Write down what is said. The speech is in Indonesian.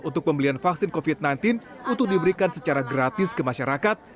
untuk pembelian vaksin covid sembilan belas untuk diberikan secara gratis ke masyarakat